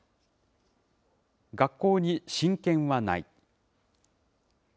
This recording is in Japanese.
学校に親権はない。